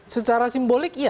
secara simbolik ya